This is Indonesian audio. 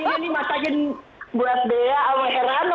ini makakin buat bea awal heran loh